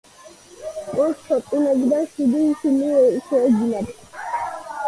წყვილს ქორწინებიდან შვიდი შვილი შეეძინათ.